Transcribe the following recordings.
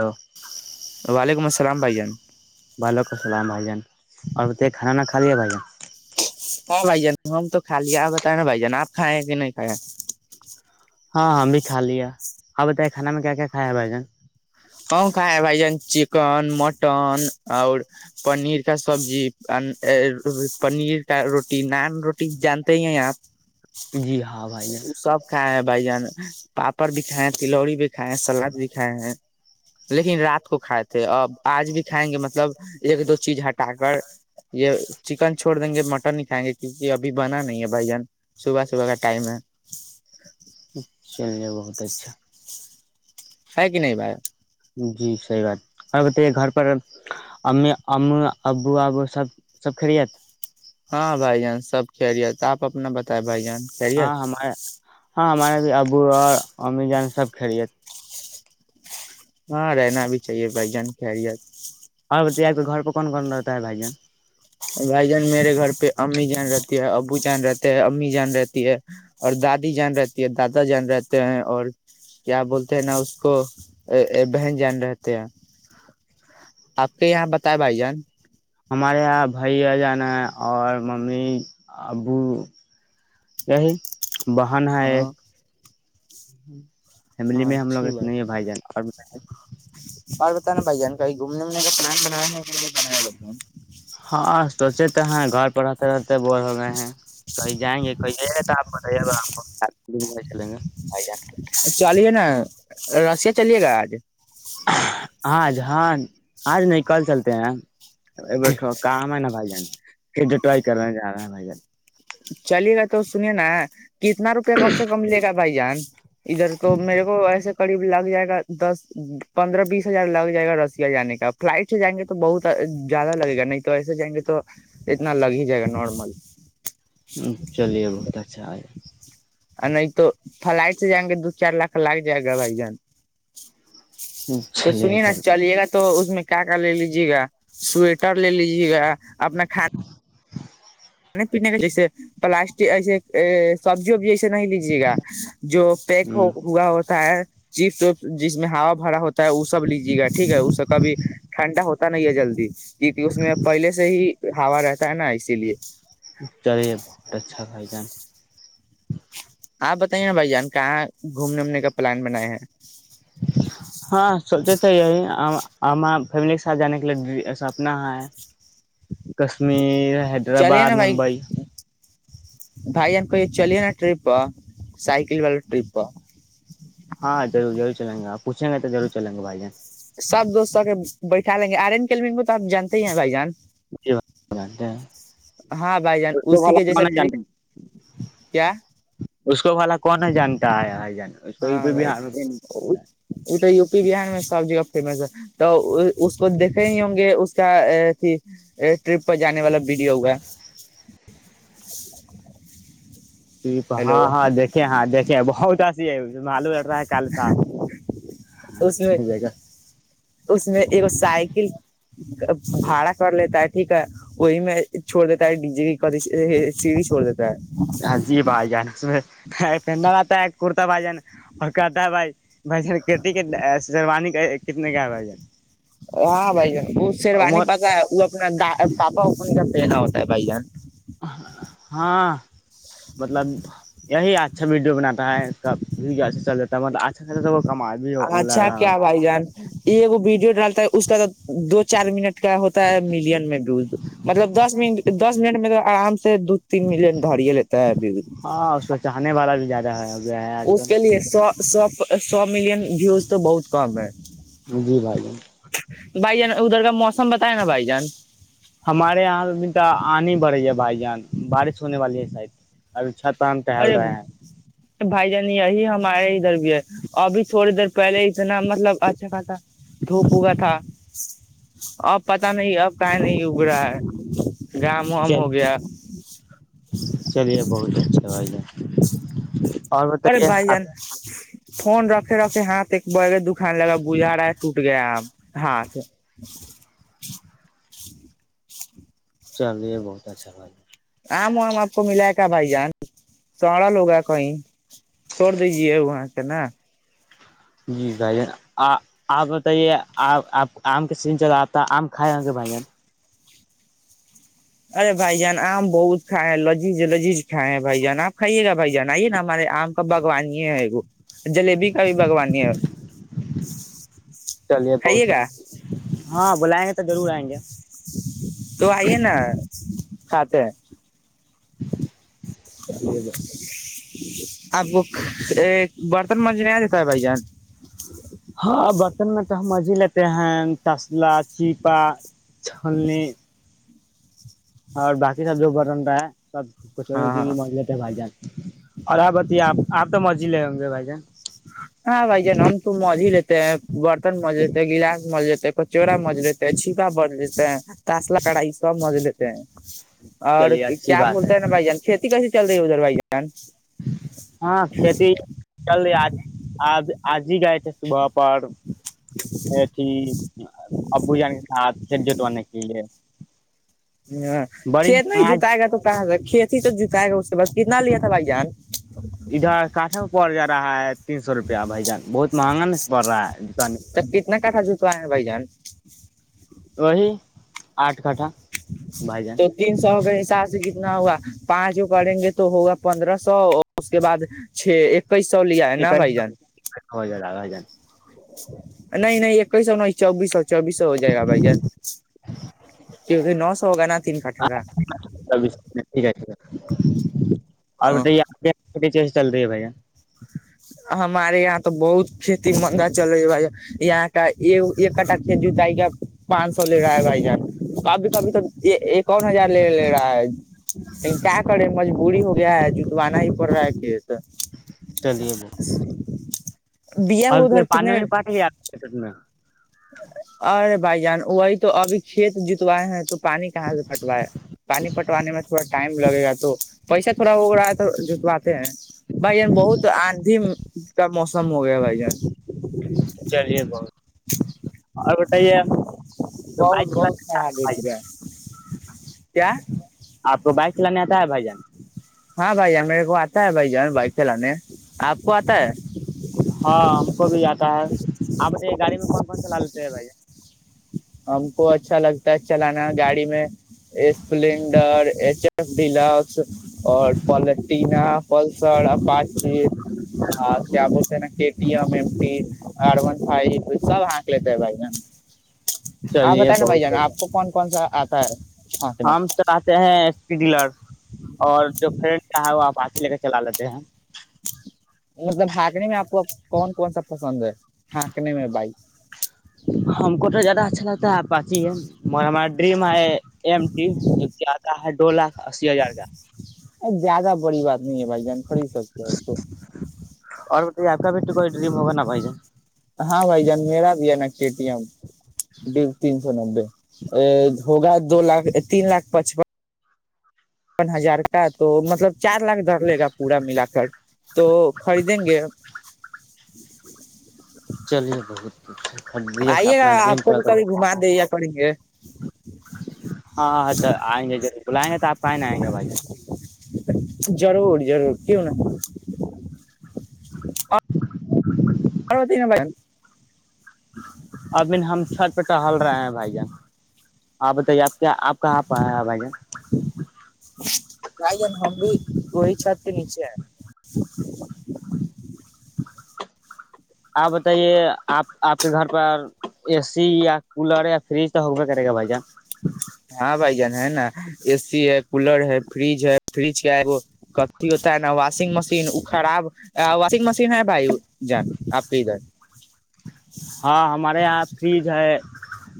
Hello وعلیکم اس سلام بھائی جان وسلام سلام بھائی جان اور بتائیں کھانا نہ کھا لیا بھائی جان ہاں بھائی جان ہم تو کا لیا آپ بتیں نا بھائی جان آپ کھائے ہیں کہ نہیں کھائے ہیں ہاں بتائیں کانا میں کیا کیا کھایا ہے بھائی جان ہن کھائے ہے بھائی جان چکن مٹن اور پنیر کا سبزی پنیر کا روٹی نان روٹی جانتے ہی ہیں آپ جی ہاں بھائی جان وہ سب کھائے ہیں بھائی جان پر بھی کھائیں تھوڑی بھی کائے ہیں صلاۃ بھی کھائے ہیں لیکن رات کو کھائے تھ اب آج بھی کھائیں گے مطلب ایک دو چیز ہٹا کر یہ چکن چھوڑ دیں گے مٹن ہی کھائیں گے کیونکہ ابھی بنا نہیں ہے بھائی جان صبح صبح کا ٹائم ہے [unintelligible] چلیے بہت اچھا ہے کہ نہیں بایا جی صحیح بات اور بتائیے گھر پر امی امی ابو ابو سب سب خیریت ہاں بھائی جان سب کہہریی آپ اپنا بتائے بھائی جان ہاں خیریت ہمارے ہاں ہمارے بھی ابو اور امی جان سب خڑت ہاں رہنا بھی چاہیے بھائی جان خیریت اوراں ب گھر پ کون کون رہتا ہے بھائی جان بھائی جان میرے گھر پہ امی جان رہتی ہے ابو جان رہتے ہیں امی جان رہتی ہے اور دادی جان رہتی ہے دادا جان رہتے ہیں اور کیا بولتے ہیں نا اس کو بہن جان رہتے ہیں آپ کے یہاں بتائے بھائی جان ہمارے یہاں بھائی اجانا ہے اور ممی ابو یہی باہان ہے ایک ہاں ہ ہ فیملی ہاں میں ہم لوگ اچھی اتنے ہیں بات بھائی جان اور اور بت نا بھائی جان کہیں گھومنےنے کا پلان بنا بنا لتے ہیں ہاں سوچے تو ہیں گھر پر رہتے رہتے بور ہو گئے ہیں کہ جائیں گے کہیں آپ بتائیے گا آپ چلیں گے ج چلیے نا رسیا چلیے گا آج آج ہاں آج نہیں کل چلتے ہیں ا ٹوا کاں میں ن نہ بائی جتے ہیں ک جو ٹرائی کر گ رہا ہے چلے گا تو سنیے نا کتنا روپیہ کم سے کم لے گا بھائی جان ادھر کو میرے کو ایسے قریب لگ جائے گا دس پندرہ بیس ہزار لگ جائے گا رسیا جانے کا فلائٹ سے جائیں گے تو بہت زیادہ لگے گا نہیں تو ایسے جائیں گے تو اتنا لگ ہی جائے گا نارمل چلیے بہت اچھا آ نہیں تو فلائٹ سے جائیں گے دو چار لاکھ لگ جائے گا بھائی جان تو چلیے سنیے بہت گا تو اس میں کیا کا لے لیجے گا سویٹر لے لیجیے گا اپنا خان پینے کا جیس پلاسٹک ایسے سبزی وب نہیں لیجیے گا جو پیک ہ ہوا ہوتا ہے چیپس وپ جس میں ہا بھرا ہوتا وہ سب لیجیے گا ٹھیک ہے اس سے کبھی ٹھنڈا ہوتا نہیں ہے جلدی کیکہ اس میں پہلے سے ہی ہوا رہتا ہے نا اسی لیے چلے بہت اچھا کھائی جان آپ بتائیے نا بھائی جان کہاں گھومنے اومنے کا پلان بناائے ہیں ہاں سوچت ہما فیملی کے ساتھ جانے کے لیے سپنا ہے کشمیر چلیے حیدرآباد نا بھائی ممبئی بھائی جن کو یہ چلیےناا پ سائکل واللا پ ہاں ضرور ضرور چلیں گے آپ پوچیں گے تو ضرور چلیں گے بھائی جان سب دوستوں کے بیٹھا لیں گے آرین کلگو تو آپ جانتے ہی ہیں بھائی جان ج جتے ہیں ہاں بھائی جان اس کو اسی بھلاا کے جیسا ٹرپ کیا کون ہے جانتا ہے ہے جان اس کو ہاں بھائی بہار ا تو و پی بہار میں سب جگہ فس تو اس کو دیکھے نہیں ہوں گے اس کا اھی ٹرپ پہ جانے والا وڈیو ہوگا پپ ہاں ہاں دیکیں ہاں دیکھیں بہت ج آئی اس میں اس میں ایک سائیکل بھاڑا کر لیتا ہے ٹھیک ہے وہی میں چھوڑ دیتا ہے ڈی جے سیی چھوڑ دیتا ہے ہاں جی بائی جانا پ آتا ہے کرتا بائی جان اور کردا بھائی بھ ج کٹیانی کتنے کا ہے بھائی جن ہے ہاں بھائی جان وہ شیروانی کہا ہوتا ہے بھائی جان ہاں مطلب یہی اچھا ویڈیو بناا اس کا بھی اھا چل جتا ہے مل اچھا خا اچھا کیا بائی جان یہ ایکگ ویڈیو ڈالتا ہے اس کا تو دو چار منٹ کا ہوتا ہے ملین میں ڈ مطلب دس م دس منٹ میں تو آرام سے دو تین ملین دھاڑیا لیتا ہے ابھی ہاں اس کو چاہنے والا بھی زیادہ ہو گیا ہے آج اس کے کل لیے سا سو سو ملن جی اس تو بہت کم ہے جی بھائی بھائی جان ادھر کا موسم بتائے نا بھائی جان ہمارے یہاں ابھی آانی ہی بڑی ہے بھائی جان بارش ہونے والی ہے ساید ابھی اھا تان ٹہل ارے رہے ہیں بھائی جان یہی ہمارے ادھر بھی ہے ابھی تھوڑی دیر پہلے اتنا مطلب اچھا خاصہ دھوپ و کا تھا اب پت نہیں اب کہیں نہیں اب رہا ہے گام چ وام ہو گیا چلیے بہت اچھا توبی لے اور ارے بتائیے بھائی آپ جان فون رکھے رکھے ہاتھ ایک بڑ دکان لگا گجارا ہے ٹوٹ گیا اب ہاتھ چلیے بہت اچھا بات ہے آم وام آ کو ملا کے کیا بھائی جان سڑا لوگا کہیں چھوڑ دیجیے وہاں چنا جی بھائی جان آ آپ بتائیے آپ آپ آم کے سن چلا آپتا آم کھائے ہوں گے بھائی جان ارے بھائی جان آم بہت کھائے ہیں لذیذ لذیذ کھائے ہیں بھائی جان آپ کھائیے گا بھائی جان آئیے نا ہمارے آم کا بگوان ہی ہےو جلیبی کا بھی باگوانی ہے چلیے کھائیے بہت گا اچھا، ہاں بلائیں گے تو ضرور آئیں گے تو آئیے نا آتے [unintelligible] چلیے [unintelligible] آپ کو برتن منجنے آ دیتا ہے بھائی جان ہاں برتن میں تو ہمج مضیلےتےین تسلا چیپا چاننے اور باقی سب جو بٹن رہا ہے سب کچڑی ہاں وچی بھی ہاں مز لیتے ہےھائی جات اور آپ بتے آپ آپ تو مرزی لے ہوں گے بھائی جان ہاں بائ جان ہم تو مزیل برتن مز جتے گلاس مز جتے پچورا مجر ت اچھی پا ب لیتے ہیں تسلہ کڑا یہ سب مجز لیتے ہیں اور چلیے اچھی کیا بات ہے بولتا ہیں نا بھائی جان کھیتی کیسی چل رہ ہو در بائیا ہاں کھیتی چل رہی آج آج آج ہی گیا تھ صبح پر بیھی ابو جان کے ساتھ کھیت جتوانے کے لیے ہ بڑی چت ن آج جوت آگات کہ کھیتی تو جھکائے گا اس سے بس کتنا لیا تھا بھائی جان ادھر کاٹھا پڑ جا رہا ہے تین سو روپیہ بھ جان بہت مہنگا نہیں پڑ رہا ہے دکان آ بھائی جان وہی آٹھ کٹھا بھائی جان تو تین سو کے حساب سے ک تنا ہوا پانچ وہ کریں گے تو ہوگا پندرہ سو اور اس کے بعد چھ ایک ایک ہو جائے لگا جان نہیں نہیں ایک ہیس ن چوبیس سو چوبیس سو ہو جائے گا بھائی ج کیونکہ نو سو ہوگا نا تین کاٹھگا ٹھیک ہے ٹھیک ہے اور چل رہی ہے بھیا ہمارے یہاں تو بہت کھیتی مندا چل رہی ہے بھائی یہاں کا ایک کٹا کھیت جتا گ پانچ سو لے رہا ہے بھائی کبھی کبھی تو ایک اور ہزار لے لے رہا ہے لیکن کیا کرے مجبوری ہو گیا ہے جتوانا ہی پڑ رہا ہے کھیت چلیے ب [unintelligible] اور کیا پانی وانی پٹ گ [inaudible] اور بھائی جان وہی تو ابھی کھیت جتوائے ہیں تو پانی کہاں سے پٹوا ہے پانی پٹوانے میں تھوڑا ٹائم لگے گا تو پیسہ تھوڑا ہو رہا ہے تو جٹواتے ہیں بھائی یہ بہت آندھی کا موسم ہو گیا بھائی یہان چلیے بہت اور بتائیے بک چل آپ کو بائک چلانے س بائی جان ہاں بائی ہمیرے کو س بھائی جانیں بائک چلاننےے آپ کو آتا ہے ہاں ہم کو بھی آتا ہے آپے گاڑی میں کون کون چلا لیتے ہیں بھائی ہم کو اچھا لگتا ہے چلانا گاڑی میں اسپلینڈر ایچ ایف ڈلکس اور پین پلسری کیا بولتے ہیں نا م کن ف سب آک لیتے بھائی جان؟ آپ چلیے بتائ نا بھائی بہت جانا آپ کو کون کون سا آتا ہانکنے ہم چاہتے ہیں اسپی ڈیلر اور جو فرینڈ چاہ وہپ پاچ ہی لے کے چلا لیتے ہیں مطلب بھاگنے میں آپ کو کون کون سا پسند ہے ہاں کنے میں بائی ہم کو زیادہ اچھا لگتا ہے آپچی ہمار ڈم ایم ٹی ڈولا اسی ہزار کا جیادہ بڑی بات نہیں بھائی جان خری سکتے س اور تو یہ آ بیٹ کوئی ڈریم ہوگا پے ہاں بھائی جان میرا بھی ہے نا کے ٹی ایم تین سو نبے ا ہوگا دو لاکھ تین لاکھ پچپن ہزار کا تو مطلب چار لاکھ دھر لے گا پورا ملا کر تو خریدیں گے [unintelligible] چلیے بہت اچھ آئیے گا آپ کو بھی کبھی گھما دےے پانی گے ہاں ہاں تو آئیں گے لائ گے آپ پائن آئیں گا بھائی جان ضرور ضرور کیوں ن [unintelligible] اروتب ابھین ہم چھت پہ ٹہل رہے ہیں بھائی جان آپ بتائیے آپ کیا آپ کہاں پ بھائی جان [inaudible] بھائی جان ہم بھی وہی چھت کے نیچے ہیں آپ بتائیے آپ آپ کے گھر پر اے سی یا کولر یا فریج تو ہوگ کرے گا بھائی جان ہاں بھائی جان ہے نا اے سی ہے کولر ہے فریج ہے فریج کیا ہے وہ ک ت نا واشنگ مشینن خراب واشنگ مشین ہے بھائی جان آپ کے ادھر ہاں ہمارے یہاں فریج ہے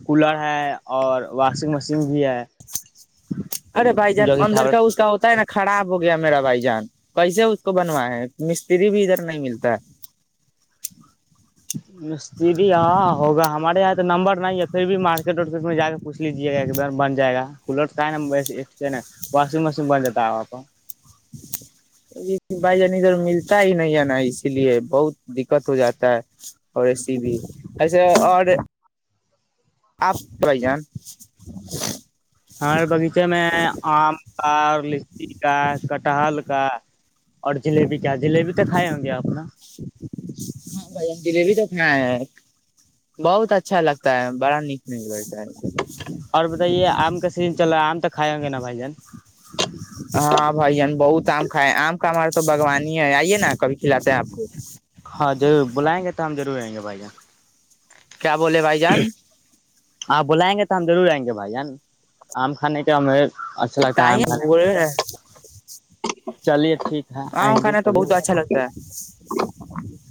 کولر ہے اور واشنگ مشین بھی ہے ارے بھائی جان جو کہ اندر خبر کا اس کا ہوتا ہے نا خراب ہو گیا میرا بھائی جان کیسے اس کو بنوا ہے مستری بھی ادھر نہیں ملتا ہے مستری ہاں ہوگا ہمارے یہاں تو نمبر نہیں ہے پھر بھی مارکیٹ وارکیٹ میں جا کے پوھ لیجیے گا ایک دم بن جائے گا کولر کا ہے نا واشنگ مشین بن دیتا ہےاں بھائی جان ادھر ملتا ہی نہیں ہے نا اسی لیے بہت دقت ہو جاتا ہے اور ایسی بھی ایسے اور آپ بھائی جان ہمارے بغیچے میں آم کا اور لچی کا کٹہال کا اور جلیبی کا کیا جلیبی تو کھائے ہوں گے آپ ن ہاں بھائی جلیبی تو کھا ہے بہت اچھا لگتا ہے بڑا نیک مل کرتا ہے اور بتائیے آم کا سیزن چل رہا ہے آم تک کھیں گے نا بائی جان ہاں بھ جان بہت آم کھائے آم کا ہمارا تو بگوانی ہی ہے آئیے نا کبھی کھلاتے ہے آپ کو ہاں ضرور بلائیں گے ہم ضرور آئیں گے بھائی جان کیا بولے بھائی جان [unintelligible] ہاں بلائیں گے تو ہم ضرور آئیں گے بھائی آم کھانے کا ممر کائی ب چلیے ٹھییک ہ کھانا تو بہت اچھا لگتا ہے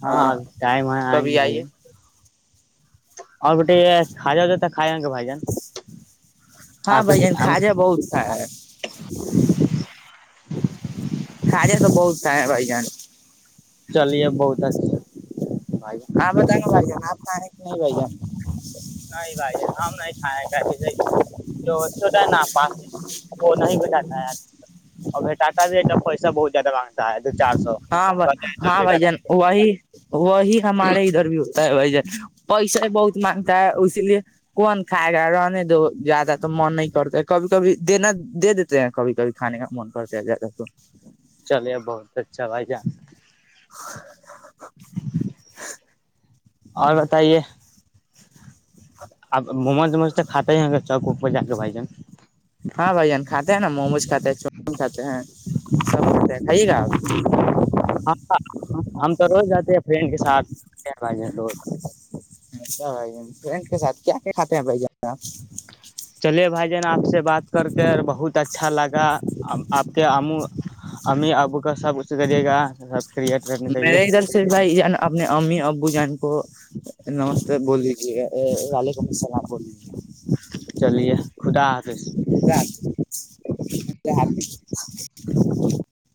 ہاں ٹائم ہے آئیں کبھی گے بھائی آئیے جان۔ اور بھے ک جا ہو ت ہاں آپ کے بھائی جین آم؟ خاجا بہ خا [inaudible] چلیے بہت اچھا بھائی جان آپ بتان بار جانا آپ نہیں بھیا نہیں بھائی ہم [unintelligible] [unintelligible] جو ہوتا ہے نا پاس وہ نہیں گ جاتا ہے آج اور بٹاتا بھی ہے پیسا بہت [unintelligible] چار سو ہاں ب ہاں بھی بھائی کٹائیں جان گے وہی وہی ہمارے ادھر بھی ت بائی جائے پیسے ہی بہت مانگتا ہے اسی لیے کون کھائے گا رہنے دو زیادہ تو من نہیں کرتا ہے کبھی کبھی دینا دے دیتے ہیں کبھی کبھی کھانے کا من کرتا ہے زیادہ تو چلے بہت اچھا بھائی ج [unintelligible] اور بتائیے آب مج مجتے خھات ہی ہ چ کو کو جا کے بھائی جن ہاں بھین کھاتے ہیں نا موموز کھاتے ہیں چاین کھاتے ہیں سب کھاتے ہیں کھائیے گا آپ [unintelligible] ہاں ہم تو رو جاتے ہیں فرینڈ کے ساتھ تو اچھا بھ فرینڈ کےاتھ کیا کیا کھاتے ہیں بھائی جان [unintelligible] چلیے بھائی آپ سے بات کر کے بہت اچھا لگا آپ کے آمو امی ابو کا سب کچھ کریے گا سب کریٹ کرنی چاہیے میرے ادھر سے بھائی اپنے امی ابو جان کو نمستے بولیجیے وعلیکم السلام بولیجے چلیے خدا حافظ [unintelligible]